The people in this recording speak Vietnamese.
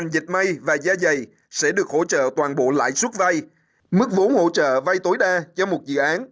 dịch may và da dày sẽ được hỗ trợ toàn bộ lãi suất vay mức vốn hỗ trợ vay tối đa cho một dự án